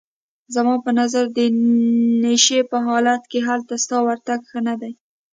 زما په نظر د نشې په حالت کې هلته ستا ورتګ ښه نه دی.